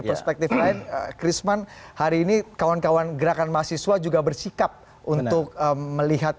perspektif lain krisman hari ini kawan kawan gerakan mahasiswa juga bersikap untuk melihat